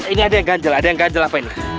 ini ada yang ganjel ada yang ganjel apa ini